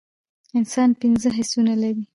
انسان پنځه حسونه لری